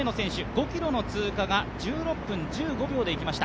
５ｋｍの通過が１６分１５秒でいきました。